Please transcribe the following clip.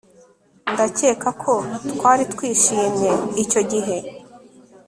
Ndakeka ko twari twishimye icyo gihe